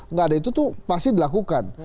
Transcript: nggak ada itu tuh pasti dilakukan